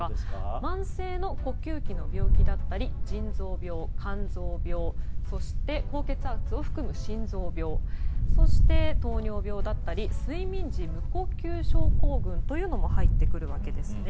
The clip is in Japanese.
慢性の呼吸器の病気だったり腎臓病、肝臓病そして高血圧を含む心臓病そして、糖尿病だったり睡眠時無呼吸症候群も入ってくるわけですね。